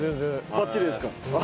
バッチリですか？